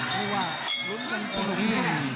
ดูว่ารุ้มกันสนุกแน่